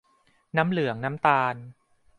น้ำเหลืองน้ำตาล